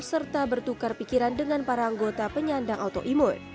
serta bertukar pikiran dengan para anggota penyandang autoimun